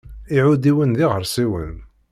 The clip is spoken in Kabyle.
Iɛudiwen d iɣersiwen.